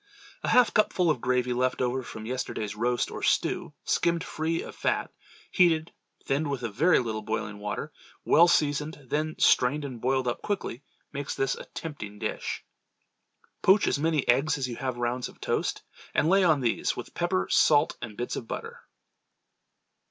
A half cupful of gravy left over from yesterday's roast or stew skimmed free of fat, heated, thinned with a very little boiling water, well seasoned, then strained and boiled up quickly, makes this a tempting dish. Poach as many eggs as you have rounds of toast, and lay on these, with pepper, salt and bits of butter.